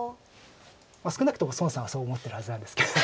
少なくとも孫さんはそう思ってるはずなんですけど。